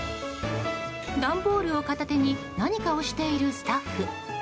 段ボールを片手に何かをしているスタッフ。